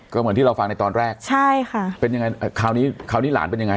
ก็เหมือนที่เราฟังในตอนแรกใช่ค่ะเป็นยังไงคราวนี้คราวนี้หลานเป็นยังไง